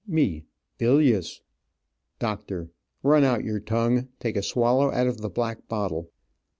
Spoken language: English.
Me Bilious. Doc. Run out your tongue. Take a swallow out of the black bottle.